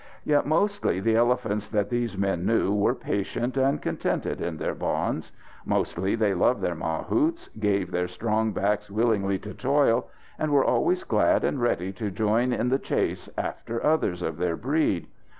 Yet mostly the elephants that these men knew were patient and contented in their bonds. Mostly they loved their mahouts, gave their strong backs willingly to toil, and were always glad and ready to join in the chase after others of their breed.